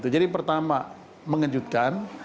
jadi pertama mengejutkan